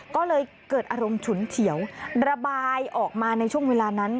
ก็เลยเกิดอารมณ์ฉุนเฉียวระบายออกมาในช่วงเวลานั้น